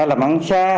làm ảnh xa